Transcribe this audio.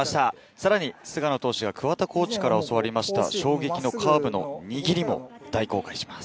さらに菅野投手は桑田コーチから教わった衝撃のカーブの握りも大公開します。